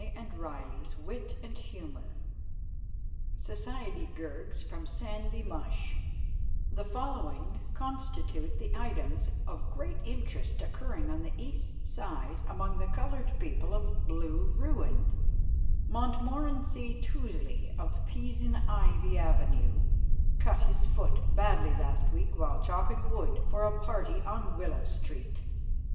Say good bye or howdy do! [Illustration: SOCIETY GURGS From SANDY MUSH] The following constitute the items of great interest occurring on the East Side among the colored people of Blue Ruin: Montmorency Tousley of Pizen Ivy avenue cut his foot badly last week while chopping wood for a party on Willow street.